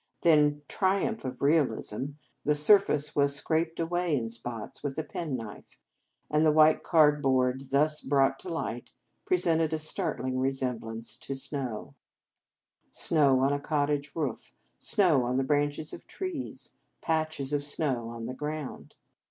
Then triumph of realism this sur face was scraped away in spots with a penknife, and the white cardboard thus brought to light presented a startling resemblance to snow, snow on the cottage roof, snow on the branches of the trees, patches of snow on the ground.